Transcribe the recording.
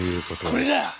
これだ。